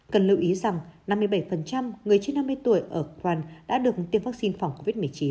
cần lưu ý rằng năm mươi bảy người trên năm mươi tuổi ở gran đã được tiêm vaccine phòng covid một mươi chín